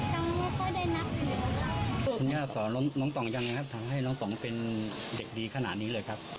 คุณหญ้าสอนน้องต้องยังไงครับทำให้น้องต้องเป็นเด็กดีขนาดนี้เลยครับ